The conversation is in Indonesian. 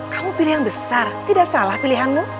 kamu pilih yang besar tidak salah pilihanmu